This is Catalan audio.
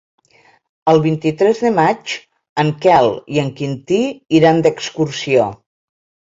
El vint-i-tres de maig en Quel i en Quintí iran d'excursió.